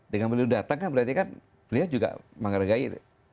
dengan beliau datang kan berarti kan beliau juga menghargai